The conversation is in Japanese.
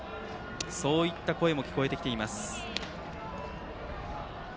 そういった声も聞こえてきています。